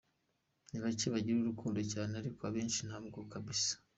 Ni bake bagira urukundo cyane ariko abenshi ntarwo kbs.